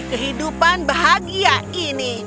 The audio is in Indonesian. kehidupan bahagia ini